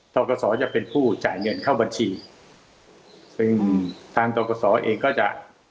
ทกศจะเป็นผู้จ่ายเงินเข้าบัญชีซึ่งทางทกศเองก็จะ